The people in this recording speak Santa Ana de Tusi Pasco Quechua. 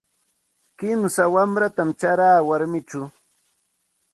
Kimsa wanratam charaa warmichaw.